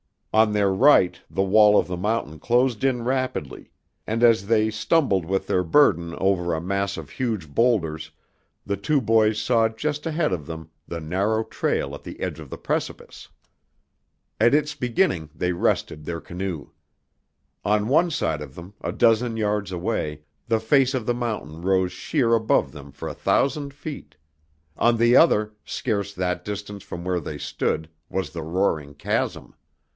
On their right the wall of the mountain closed in rapidly, and as they stumbled with their burden over a mass of huge boulders the two boys saw just ahead of them the narrow trail at the edge of the precipice. At its beginning they rested their canoe. On one side of them, a dozen yards away, the face of the mountain rose sheer above them for a thousand feet; on the other, scarce that distance from where they stood, was the roaring chasm.